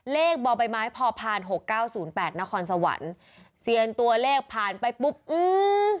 เลขบ่อใบไม้พอผ่านหกเก้าศูนย์แปดนครสวรรค์เซียนตัวเลขผ่านไปปุ๊บอืม